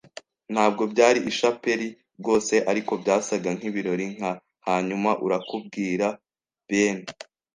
ntabwo byari ishapeli rwose, ariko byasaga nkibirori nka; hanyuma, urakubwira, Ben